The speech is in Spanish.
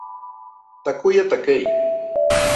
Takuya Takei